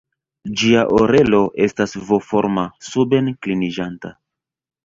Ĝia orelo estas V-forma, suben-kliniĝanta.